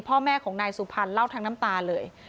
พ่อแม่ของนายสุพรรณเล่าทั้งน้ำตาเลย